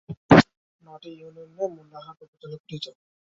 নয়টি ইউনিয়ন নিয়ে মোল্লাহাট উপজেলা গঠিত।